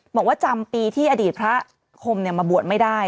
บอกว่าจำปีที่อดีตพระคมมาบวชไม่ได้